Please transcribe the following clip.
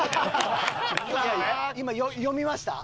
今読みました？